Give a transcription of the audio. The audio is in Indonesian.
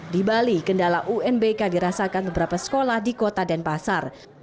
di bali kendala unbk dirasakan beberapa sekolah di kota denpasar